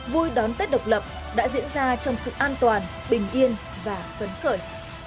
vui đón tết độc lập đã diễn ra trong sự an toàn bình yên và phấn khởi